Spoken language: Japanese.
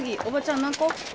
おばちゃん何個？